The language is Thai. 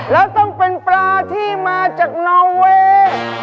แล้วต้องเป็นปลาที่มาจากนอเวย์